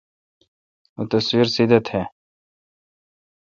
او تصویر سیدہ تھ۔